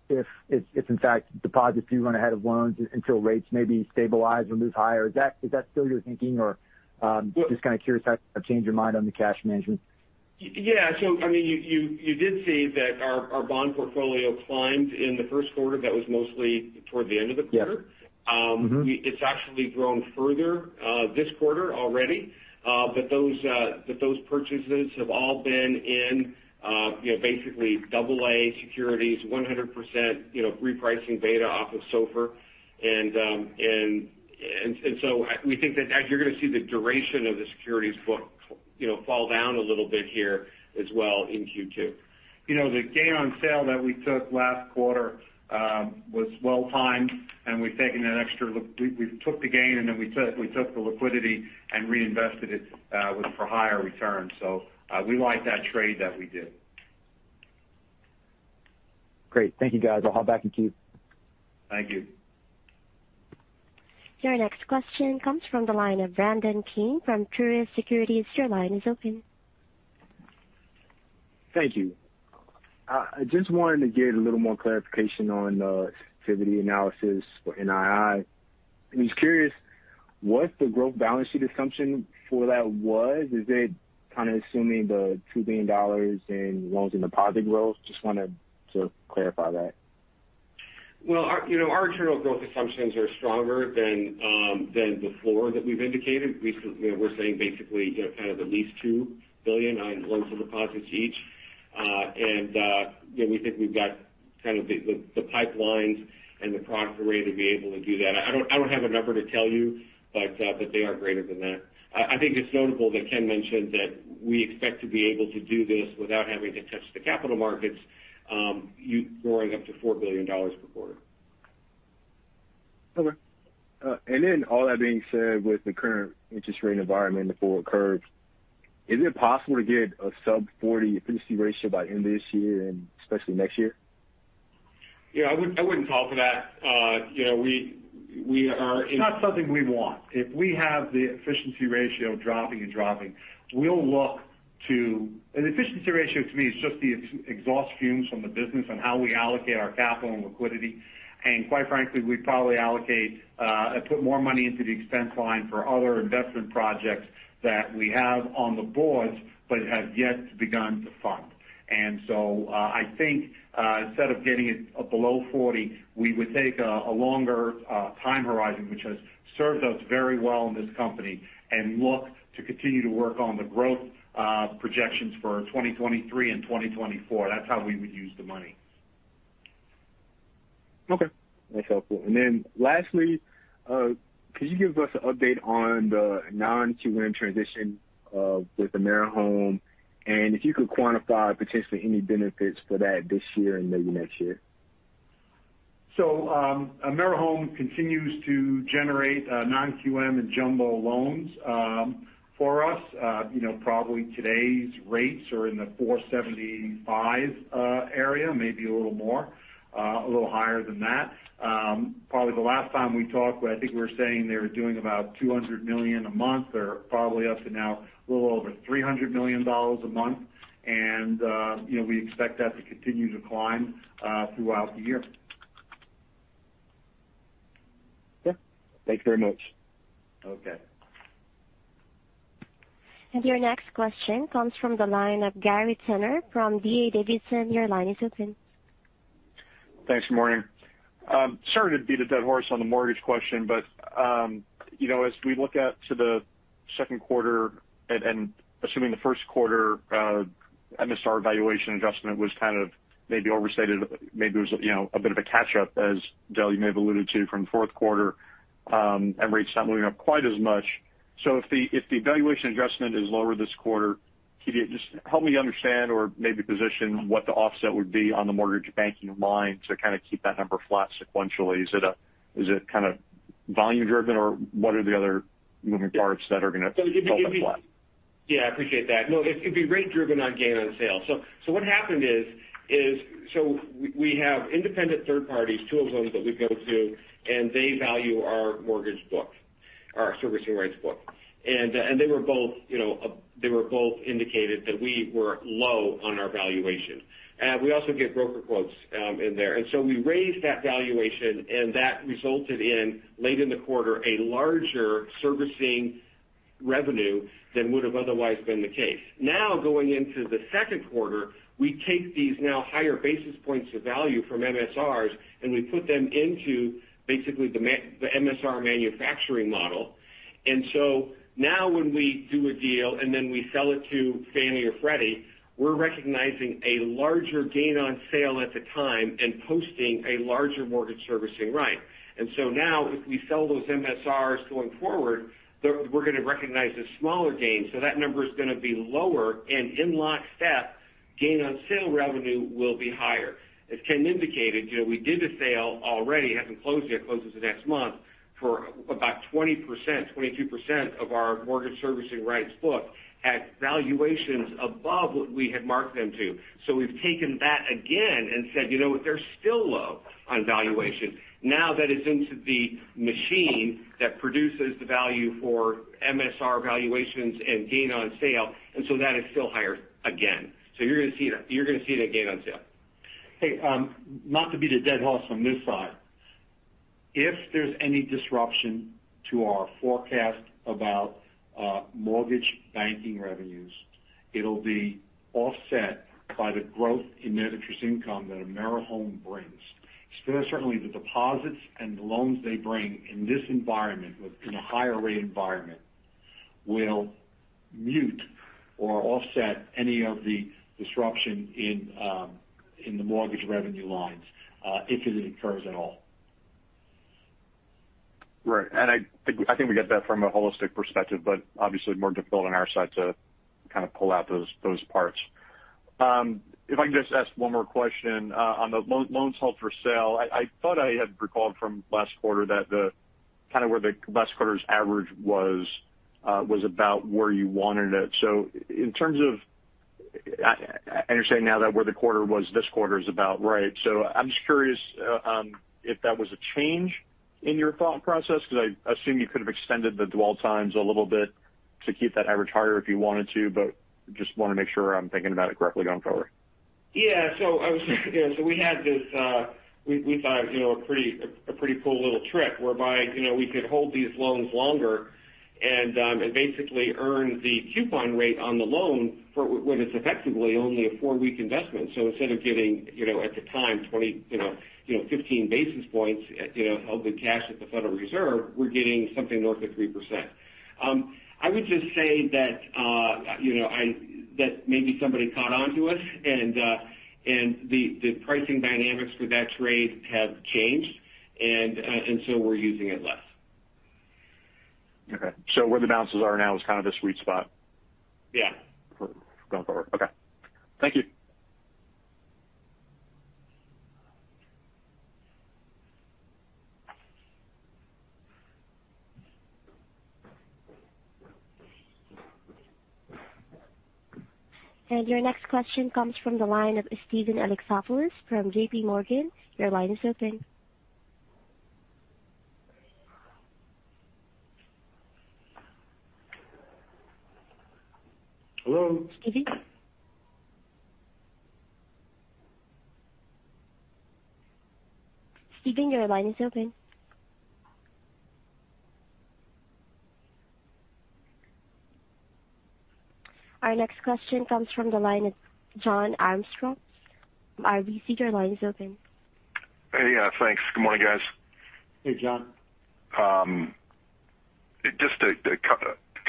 if in fact deposits do run ahead of loans until rates maybe stabilize or move higher. Is that still you're thinking or just kind of curious how you changed your mind on the cash management? Yeah. I mean, you did see that our bond portfolio climbed in the first quarter. That was mostly toward the end of the quarter. Yes. Mm-hmm. It's actually grown further this quarter already. Those purchases have all been in, you know, basically double-A securities, 100%, you know, repricing beta off of SOFR. We think that as you're going to see the duration of the securities book, you know, fall down a little bit here as well in Q2. You know, the gain on sale that we took last quarter was well timed, and we've taken an extra look. We took the gain and then we took the liquidity and reinvested it for higher returns. We like that trade that we did. Great. Thank you, guys. I'll hop back in queue. Thank you. Your next question comes from the line of Brandon King from Truist Securities. Your line is open. Thank you. I just wanted to get a little more clarification on the sensitivity analysis for NII. I'm just curious what the growth balance sheet assumption for that was. Is it kind of assuming the $2 billion in loans and deposit growth? Just wanted to clarify that. Well, you know, our internal growth assumptions are stronger than the floor that we've indicated. You know, we're saying basically kind of at least $2 billion on loans and deposits each. You know, we think we've got kind of the pipelines and the product array to be able to do that. I don't have a number to tell you, but they are greater than that. I think it's notable that Ken mentioned that we expect to be able to do this without having to touch the capital markets, you know, growing up to $4 billion per quarter. Okay. All that being said, with the current interest rate environment, the forward curve, is it possible to get a sub 40 efficiency ratio by end of this year and especially next year? Yeah. I wouldn't call for that. You know, we are. It's not something we want. If we have the efficiency ratio dropping, an efficiency ratio to me is just the exhaust fumes from the business on how we allocate our capital and liquidity. Quite frankly, we probably allocate and put more money into the expense line for other investment projects that we have on the board but have yet to begun to fund. I think, instead of getting it below 40, we would take a longer time horizon, which has served us very well in this company and look to continue to work on the growth projections for 2023 and 2024. That's how we would use the money. Okay. That's helpful. Lastly, could you give us an update on the non-QM transition, with AmeriHome, and if you could quantify potentially any benefits for that this year and maybe next year? AmeriHome continues to generate non-QM and jumbo loans for us. You know, probably today's rates are in the 4.75 area, maybe a little more, a little higher than that. Probably the last time we talked, I think we were saying they were doing about $200 million a month. They're probably up to now a little over $300 million a month. You know, we expect that to continue to climb throughout the year. Okay. Thanks very much. Okay. Your next question comes from the line of Gary Tenner from D.A. Davidson. Your line is open. Thanks. Morning. Sorry to beat a dead horse on the mortgage question, but you know, as we look out to the second quarter and assuming the first quarter MSR valuation adjustment was kind of maybe overstated, maybe it was you know, a bit of a catch up, as Dale, you may have alluded to from the fourth quarter and rates not moving up quite as much. If the valuation adjustment is lower this quarter, can you just help me understand or maybe position what the offset would be on the mortgage banking line to kind of keep that number flat sequentially? Is it kind of volume driven, or what are the other moving parts that are going to keep it flat? Yeah, I appreciate that. No, it'd be rate driven on gain on sale. What happened is so we have independent third parties, two of them that we go to, and they value our mortgage book, our servicing rights book. They both, you know, indicated that we were low on our valuation. We also get broker quotes in there. We raised that valuation, and that resulted in, late in the quarter, a larger servicing revenue than would have otherwise been the case. Now, going into the second quarter, we take these now higher basis points of value from MSRs, and we put them into basically the MSR manufacturing model. Now when we do a deal and then we sell it to Fannie or Freddie, we're recognizing a larger gain on sale at the time and posting a larger mortgage servicing right. Now, if we sell those MSRs going forward, we're going to recognize a smaller gain. That number is going to be lower, and in lockstep, gain on sale revenue will be higher. As Ken indicated, you know, we did a sale already, hasn't closed yet, closes the next month, for about 20%-22% of our mortgage servicing rights book had valuations above what we had marked them to. We've taken that again and said, you know what, they're still low on valuation. Now that it's into the machine that produces the value for MSR valuations and gain on sale, that is still higher again. You're going to see that. You're going to see that gain on sale. Hey, not to beat a dead horse on this side. If there's any disruption to our forecast about mortgage banking revenues, it'll be offset by the growth in net interest income that AmeriHome brings. Certainly, the deposits and loans they bring in this environment, in a higher rate environment, will mute or offset any of the disruption in the mortgage revenue lines, if it occurs at all. Right. I think we get that from a holistic perspective, but obviously more difficult on our side to kind of pull out those parts. If I can just ask one more question, on the loans held for sale. I thought I had recalled from last quarter that the kind of where the last quarter's average was about where you wanted it. I understand now that where the quarter was this quarter is about right. I'm just curious, if that was a change in your thought process because I assume you could have extended the dwell times a little bit to keep that average higher if you wanted to but just want to make sure, I'm thinking about it correctly going forward. Yeah. We had this, we thought, you know, a pretty cool little trick whereby, you know, we could hold these loans longer and basically earn the coupon rate on the loan for when it's effectively only a four-week investment. Instead of getting, you know, at the time, 20, you know, you know, 15 basis points held in cash at the Federal Reserve, we're getting something north of 3%. I would just say that, you know, that maybe somebody caught on to us and the pricing dynamics for that trade have changed, and so we're using it less. Okay. Where the balances are now is kind of the sweet spot? Yeah. Going forward. Okay. Thank you. Your next question comes from the line of Steven Alexopoulos from JPMorgan. Your line is open. Hello. Steven? Steven, your line is open. Our next question comes from the line of Jon Arfstrom. RBC, your line is open. Hey. Yeah, thanks. Good morning, guys. Hey, Jon. Just a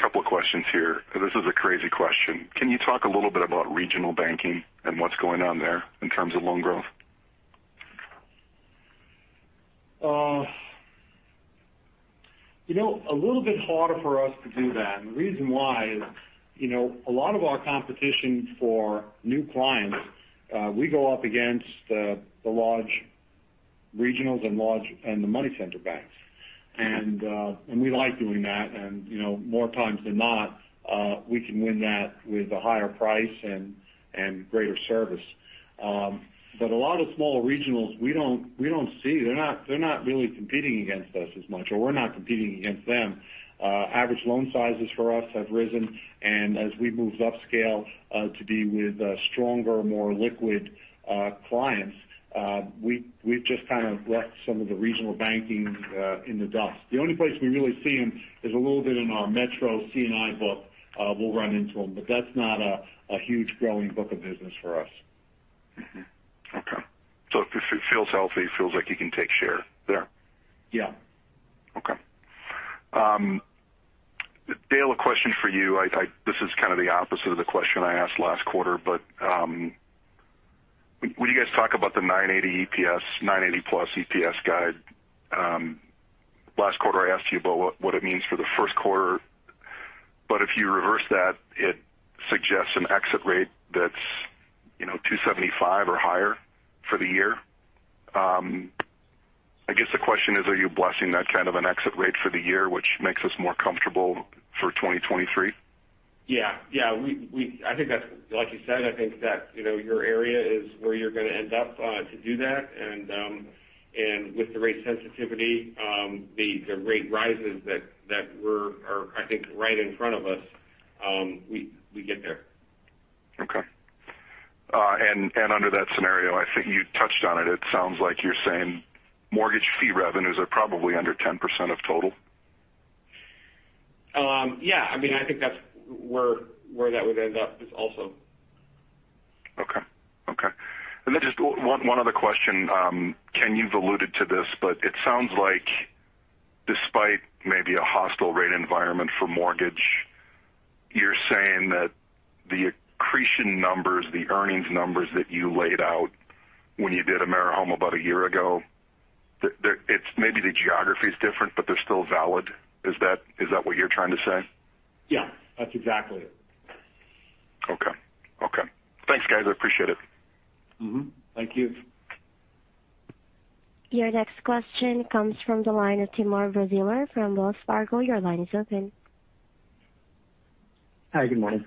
couple of questions here. This is a crazy question. Can you talk a little bit about regional banking and what's going on there in terms of loan growth? You know, a little bit harder for us to do that. The reason why is, you know, a lot of our competition for new clients, we go up against the large regionals and the money center banks. We like doing that. You know, more times than not, we can win that with a higher price and greater service. But a lot of small regionals, we don't see. They're not really competing against us as much, or we're not competing against them. Average loan sizes for us have risen. As we move upscale to be with stronger, more liquid clients, we've just kind of left some of the regional banking in the dust. The only place we really see them is a little bit in our metro C&I book. We'll run into them. That's not a huge growing book of business for us. Okay. It feels healthy. It feels like you can take share there. Yeah. Okay. Dale, a question for you. This is kind of the opposite of the question I asked last quarter, but would you guys talk about the 980 EPS, 980+ EPS guide? Last quarter, I asked you about what it means for the first quarter. If you reverse that, it suggests an exit rate that's, you know, 275 or higher for the year. I guess the question is, are you blessing that kind of an exit rate for the year, which makes us more comfortable for 2023? Yeah. Like you said, I think that, you know, your area is where you're going to end up to do that. With the rate sensitivity, the rate rises that are, I think, right in front of us, we get there. Okay. Under that scenario, I think you touched on it. It sounds like you're saying mortgage fee revenues are probably under 10% of total. Yeah. I mean, I think that's where that would end up is also. Okay. Just one other question. Ken, you've alluded to this, but it sounds like despite maybe a hostile rate environment for mortgage, you're saying that the accretion numbers, the earnings numbers that you laid out when you did AmeriHome about a year ago, maybe the geography is different, but they're still valid. Is that what you're trying to say? Yeah. That's exactly it. Okay. Thanks, guys. I appreciate it. Thank you. Your next question comes from the line of Timur Braziler from Wells Fargo. Your line is open. Hi. Good morning.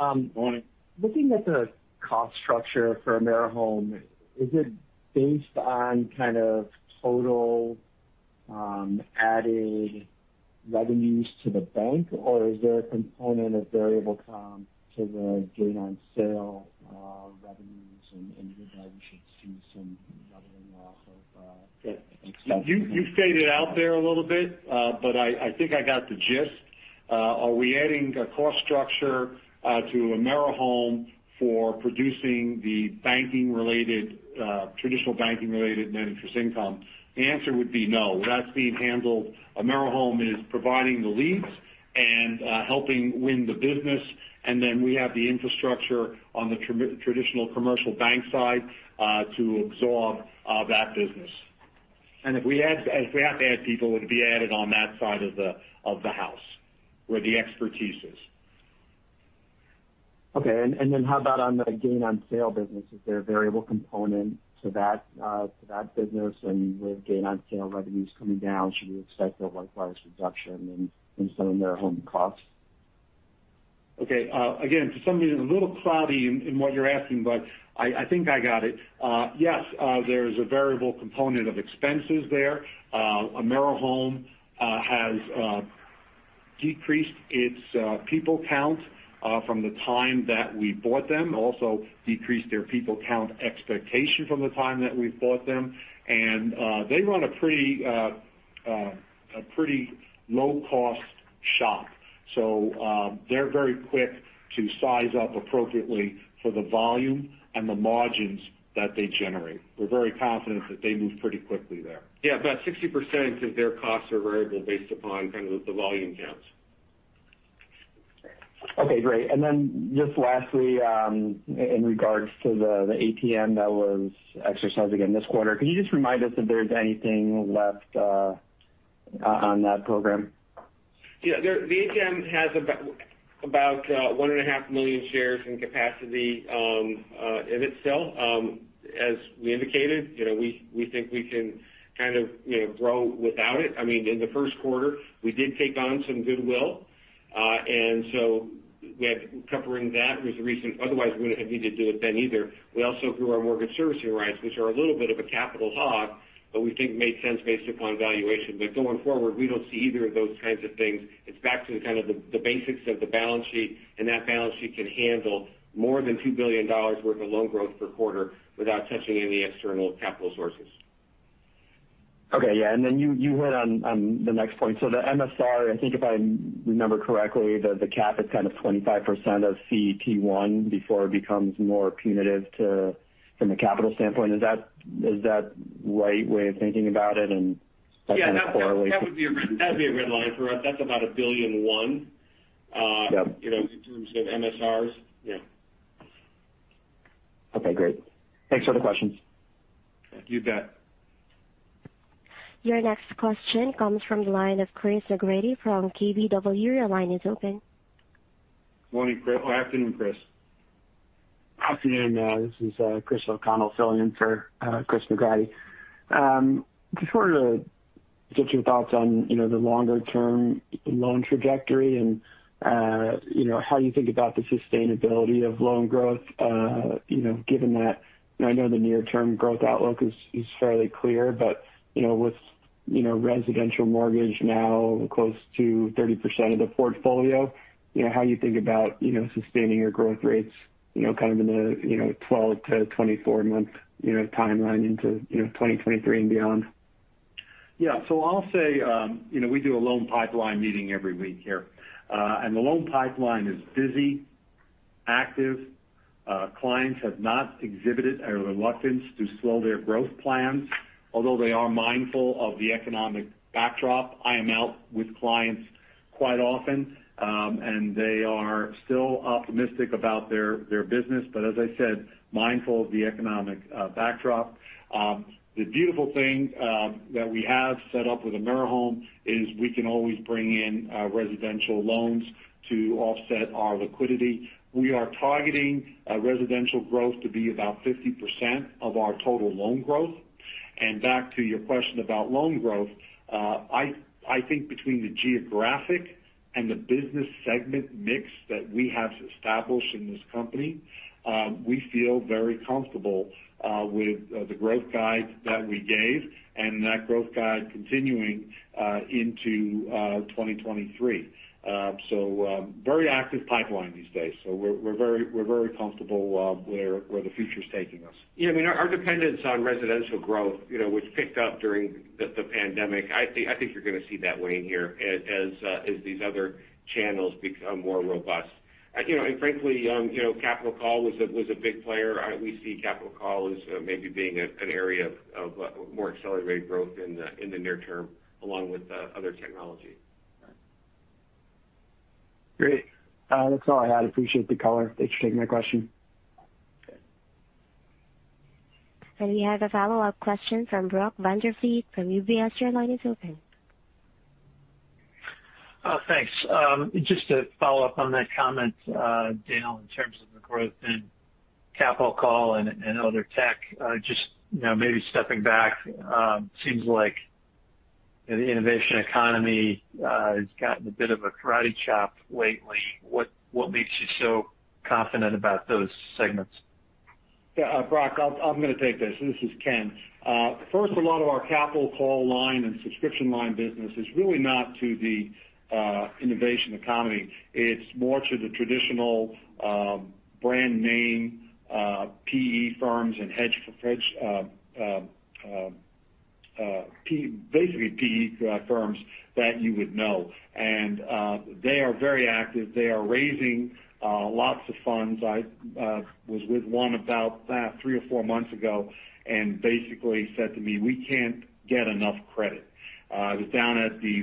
Morning. Looking at the cost structure for AmeriHome, is it based on kind of total added revenues to the bank, or is there a component of variable comp to the gain on sale revenues and thereby we should see some leveling off of expenses? You faded out there a little bit, but I think I got the gist. Are we adding a cost structure to AmeriHome for producing the banking related traditional banking related net interest income? The answer would be no. That's being handled. AmeriHome is providing the leads and helping win the business. Then we have the infrastructure on the traditional commercial bank side to absorb that business. If we have to add people, it would be added on that side of the house where the expertise is. Okay. Then how about on the gain on sale business? Is there a variable component to that business? With gain on sale revenues coming down, should we expect a likewise reduction in some AmeriHome costs? Okay. Again, to some degree, it's a little cloudy in what you're asking, but I think I got it. Yes, there is a variable component of expenses there. AmeriHome has decreased its people count from the time that we bought them, also decreased their people count expectation from the time that we bought them. They run a pretty low-cost shop. They're very quick to size up appropriately for the volume and the margins that they generate. We're very confident that they move pretty quickly there. Yeah. About 60% of their costs are variable based upon kind of the volume counts. Okay, great. Just lastly, in regards to the ATM that was exercised again this quarter, can you just remind us if there's anything left on that program? Yeah. The ATM has about 1.5 million shares in capacity in it still. As we indicated, you know, we think we can kind of, you know, grow without it. I mean, in the first quarter, we did take on some goodwill. Covering that was the reason, otherwise we wouldn't have needed to do it then either. We also grew our mortgage servicing rights, which are a little bit of a capital hog, but we think made sense based upon valuation. Going forward, we don't see either of those kinds of things. It's back to kind of the basics of the balance sheet, and that balance sheet can handle more than $2 billion worth of loan growth per quarter without touching any external capital sources. Okay. Yeah. You hit on the next point. The MSR, I think if I remember correctly, the cap is kind of 25% of CET1 before it becomes more punitive to, from a capital standpoint. Is that right way of thinking about it and kind of correlate- Yeah, that'd be a red line for us. That's about $1.1 billion. Yeah. You know, in terms of MSRs. Yeah. Okay, great. Thanks for the questions. You bet. Your next question comes from the line of Chris McGratty from KBW. Your line is open. Morning, or afternoon, Chris. Afternoon. This is Chris O'Connell filling in for Chris McGratty. Just wanted to get your thoughts on, you know, the longer-term loan trajectory and, you know, how you think about the sustainability of loan growth, you know, given that I know the near-term growth outlook is fairly clear. You know, with, you know, residential mortgage now close to 30% of the portfolio, you know, how you think about, you know, sustaining your growth rates, you know, kind of in a, you know, 12- to 24-month, you know, timeline into, you know, 2023 and beyond. Yeah. I'll say, you know, we do a loan pipeline meeting every week here. The loan pipeline is busy, active. Clients have not exhibited a reluctance to slow their growth plans, although they are mindful of the economic backdrop. I am out with clients quite often, and they are still optimistic about their business, but as I said, mindful of the economic backdrop. The beautiful thing that we have set up with AmeriHome is we can always bring in residential loans to offset our liquidity. We are targeting residential growth to be about 50% of our total loan growth. Back to your question about loan growth, I think between the geographic and the business segment mix that we have established in this company, we feel very comfortable with the growth guide that we gave and that growth guide continuing into 2023. Very active pipeline these days. We're very comfortable where the future's taking us. Yeah. I mean, our dependence on residential growth, you know, which picked up during the pandemic, I think you're gonna see that wane here as these other channels become more robust. You know, frankly, you know, capital call was a big player. We see capital call as maybe being an area of more accelerated growth in the near term, along with other technology. Great. That's all I had. Appreciate the color. Thanks for taking my question. We have a follow-up question from Brock Vandervliet from UBS. Your line is open. Oh, thanks. Just to follow up on that comment, Dale, in terms of the growth in capital call and other tech, just, you know, maybe stepping back, seems like the innovation economy has gotten a bit of a karate chop lately. What makes you so confident about those segments? Brock, I'm gonna take this. This is Ken. First, a lot of our capital call line and subscription line business is really not to the innovation economy. It's more to the traditional brand name PE firms and hedge fund basically PE firms that you would know. They are very active. They are raising lots of funds. I was with one about three or four months ago, and basically said to me, "We can't get enough credit." I was down at the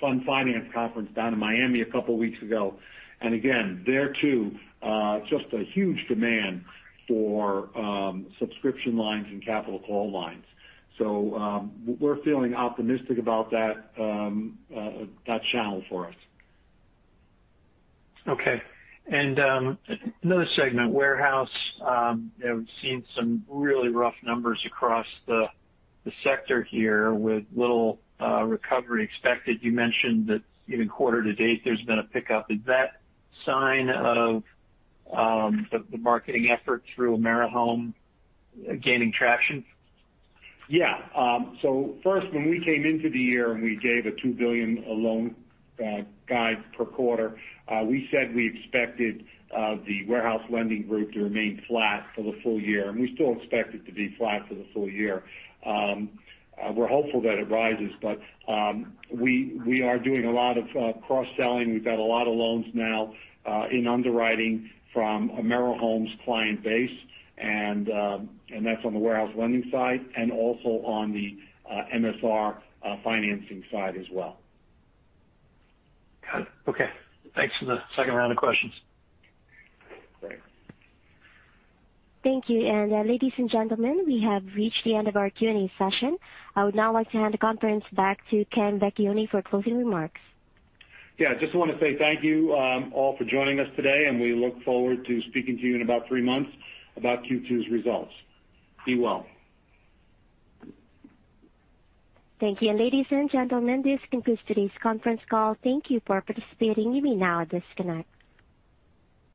fund finance conference down in Miami a couple weeks ago. Again, there too, just a huge demand for subscription lines and capital call lines. We're feeling optimistic about that channel for us. Okay. Another segment, warehouse. You know, we've seen some really rough numbers across the sector here with little recovery expected. You mentioned that even quarter to date, there's been a pickup. Is that sign of the marketing effort through AmeriHome gaining traction? Yeah. First, when we came into the year and we gave a $2 billion loan guide per quarter, we said we expected the warehouse lending group to remain flat for the full year, and we still expect it to be flat for the full year. We're hopeful that it rises, but we are doing a lot of cross-selling. We've got a lot of loans now in underwriting from AmeriHome's client base, and that's on the warehouse lending side and also on the MSR financing side as well. Got it. Okay. Thanks for the second round of questions. Thanks. Thank you. Ladies and gentlemen, we have reached the end of our Q&A session. I would now like to hand the conference back to Ken Vecchione for closing remarks. Yeah, just wanna say thank you, all for joining us today, and we look forward to speaking to you in about three months about Q2's results. Be well. Thank you. Ladies and gentlemen, this concludes today's conference call. Thank you for participating. You may now disconnect.